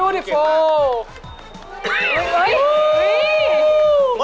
ดีมาก